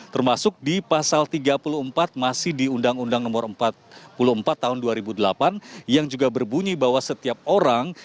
termasuk di pasal tiga puluh empat masih di undang undang nomor empat puluh empat tahun dua ribu delapan yang juga berbunyi bahwa setiap orang